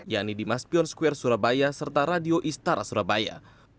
yakni di maspion square surabaya serta radio istara surabaya